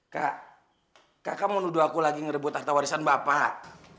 kak kakak menuduh aku lagi ngerebut akta warisan bapak